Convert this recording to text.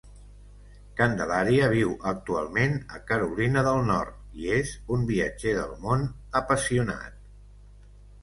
Candelaria viu actualment a Carolina del Nord i és un viatger del món apassionat.